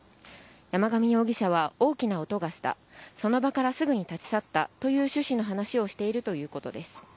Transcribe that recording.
山上容疑者は大きな音がした、その場からすぐに立ち去ったという趣旨の話をしているということです。